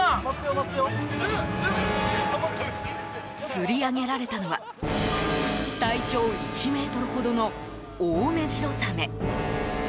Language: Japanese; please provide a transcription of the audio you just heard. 釣り上げられたのは体長１ｍほどのオオメジロザメ。